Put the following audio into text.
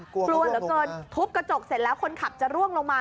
กลัวเหลือเกินทุบกระจกเสร็จแล้วคนขับจะร่วงลงมา